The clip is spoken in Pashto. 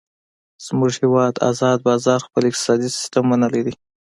زمونږ هیواد ازاد بازار خپل اقتصادي سیستم منلی دی.